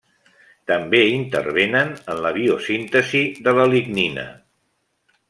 També intervenen en la biosíntesi de la lignina.